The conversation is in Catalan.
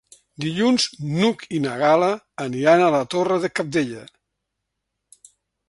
Dilluns n'Hug i na Gal·la aniran a la Torre de Cabdella.